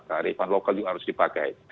kearifan lokal juga harus dipakai